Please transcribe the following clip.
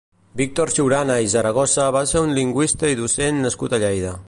Víctor Siurana i Zaragoza va ser un lingüista i docent nascut a Lleida.